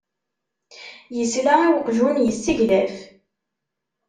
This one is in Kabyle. Yesla i uqjun yesseglaf.